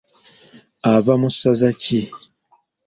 Ava mu ssaza ki?